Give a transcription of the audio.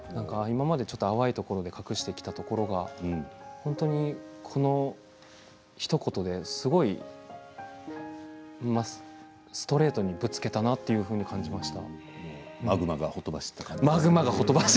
今まで淡いところで隠していたことは本当にこのひと言でストレートにぶつけたなという感じがありました。